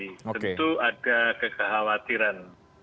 tentu ada kekhawatiran